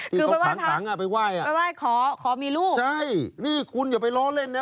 คือไปไหว้พระไปไหว้ขอมีลูกใช่นี่คุณอย่าไปล้อเล่นนะ